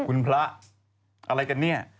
คุณพระอะไรกันเนี่ย